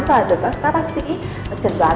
và được các bác sĩ trần đoán